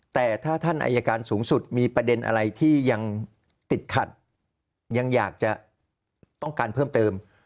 แต่ถ้าท่านอายการสูงสุดมีประเด็นอะไรที่ยังติดขัดยังอยากจะต้องการเพิ่มเติม